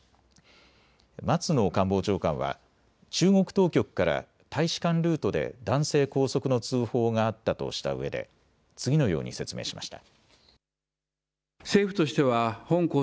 松野官房長官は中国当局から大使館ルートで男性拘束の通報があったとしたうえで次のように説明しました。